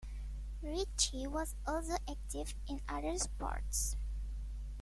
Ritchie was also active in other sports.